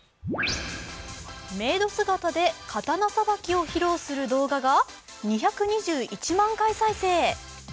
メイド姿で刀さばきを披露する動画が２１万再生。